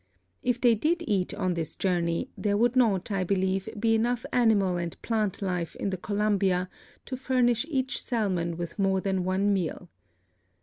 If they did eat on this journey there would not, I believe, be enough animal and plant life in the Columbia to furnish each salmon with more than one meal.